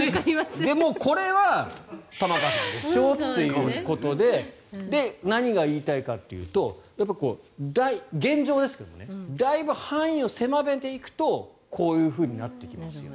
でも、これは玉川さんでしょうということで何が言いたいかというとやっぱり、現状ですけどだいぶ範囲を狭めていくとこういうふうになってきますよと。